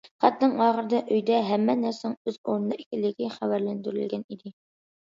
خەتنىڭ ئاخىرىدا ئۆيدە ھەممە نەرسىنىڭ ئۆز ئورنىدا ئىكەنلىكى خەۋەرلەندۈرۈلگەن ئىدى.